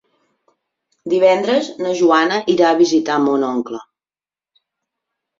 Divendres na Joana irà a visitar mon oncle.